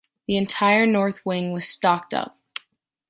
The entire north wing was stocked up.